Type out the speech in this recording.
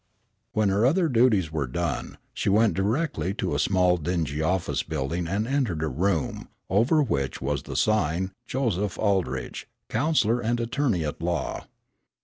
When her other duties were done she went directly to a small dingy office building and entered a room, over which was the sign, "Joseph Aldrich, Counselor and Attorney at Law."